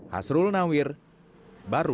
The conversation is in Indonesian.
hasrul nawir baru